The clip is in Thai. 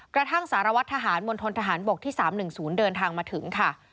กระทั่งสารวัตรทหารมณฑนทหารบกที่๓๑๐เดินทางมาถึงค่ะ